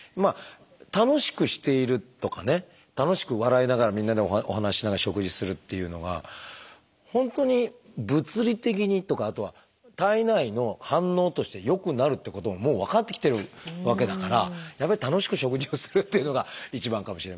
楽しくしているとかね楽しく笑いながらみんなでお話ししながら食事するっていうのが本当に物理的にとかあとは体内の反応として良くなるってことはもう分かってきてるわけだからやっぱり楽しく食事をするっていうのが一番かもしれませんね。